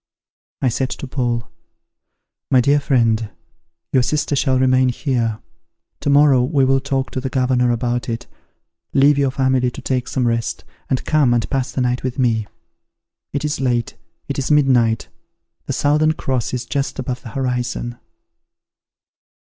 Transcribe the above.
I said to Paul, "My dear friend, your sister shall remain here. To morrow we will talk to the governor about it; leave your family to take some rest, and come and pass the night with me. It is late; it is midnight; the southern cross is just above the horizon."